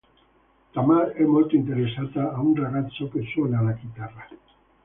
Tamar è molto interessata a un ragazzo che suona la chitarra.